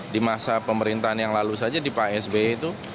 di masa pemerintahan yang lalu saja di pak sby itu